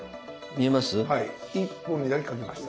見えます？